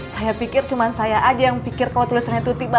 saya pikir cuma saya aja yang pikir kalau tulisannya tuti bagus pak